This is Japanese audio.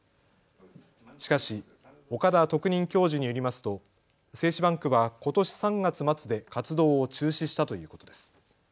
しかし岡田特任教授によりますと精子バンクはことし３月末で活動を中止したということです。